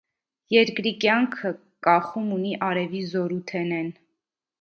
Երկրի կեանքը կախում ունի արեւի զօրութենէն։